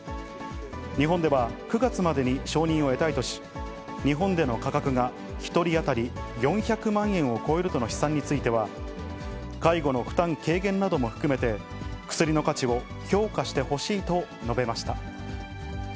日本では９月までに承認を得たいとし、日本での価格が１人当たり４００万円を超えるとの試算については、介護の負担軽減なども含めて、薬の価値を評価してほしいと述べました。